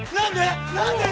何で？